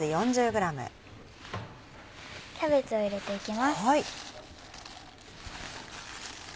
キャベツを入れていきます。